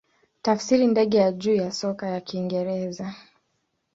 Tafsiri ndege ya juu ya soka ya Kiingereza.